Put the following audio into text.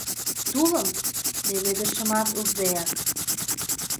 Тулым, леведышымат уждеак